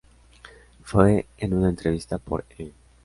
Fue en una entrevista por E!